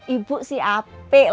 ibu si ape